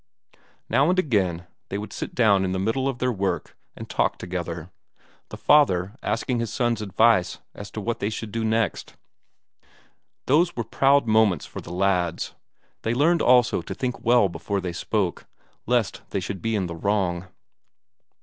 Now and again they would sit down in the middle of their work and talk together, the father almost asking his sons' advice as to what they should do next. Those were proud moments for the lads, they learned also to think well before they spoke, lest they should be in the wrong.